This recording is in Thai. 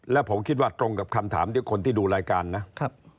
แล้วผมคิดว่าตรงกับคำถามที่คนที่ดูรายการนะครับ